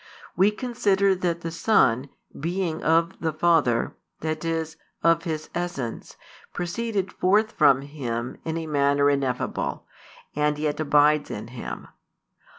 We consider that the Son, being of the Father, that is, of His essence, proceeded forth from Him in a manner ineffable, and yet abides in Him.